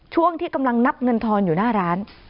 ช่วงที่กำลังนับเงินทอนอยู่หน้าร้าน